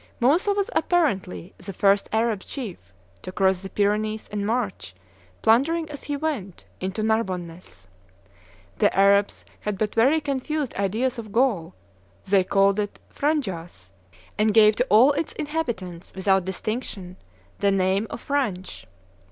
Moussa was, apparently, the first Arab chief to cross the Pyrenees and march, plundering as he went, into Narbonness. The Arabs had but very confused ideas of Gaul; they called it Frandjas, and gave to all its inhabitants, without distinction, the name of Frandj.